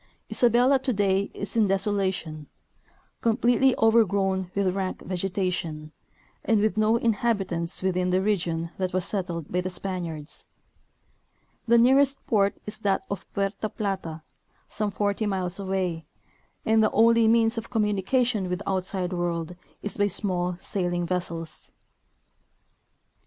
Isabelki today is in desolation, completely over grown with rank vegetation, and with no inhabitants within the region that was settled by the Spaniards. The nearest port is that of Puerta Plata, some forty iniles away, and the only means of communication with the outside world is by small sailing vessels.